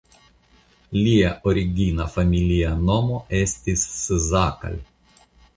Lia origina familia nomo estis "Szakal".